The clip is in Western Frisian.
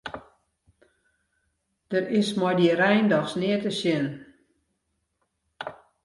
Der is mei dy rein dochs neat te sjen.